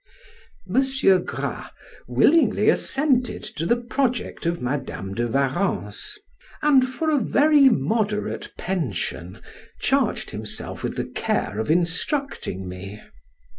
M. Gras willingly assented to the project of Madam de Warrens, and, for a very moderate pension, charged himself with the care of instructing me.